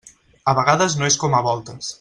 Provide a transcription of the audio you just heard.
A vegades no és com a voltes.